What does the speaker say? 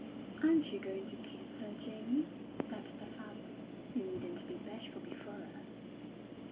"Aren't you going to kiss her, Jamie?" said the father. "You needn't be bashful before us."